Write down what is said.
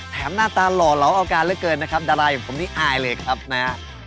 หน้าตาหล่อเหลาเอาการเหลือเกินนะครับดาราอย่างผมนี่อายเลยครับนะฮะ